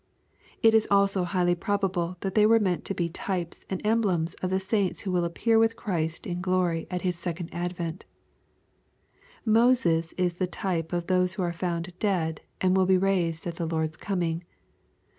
It is also highly probable that they were meant to be types and emblems of the saints who will appear with Christ in glory at His second advent Moses is the type of those who are found dead, and win be raised at the Lord's coming.